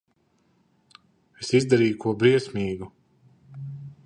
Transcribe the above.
Es izdarīju ko briesmīgu.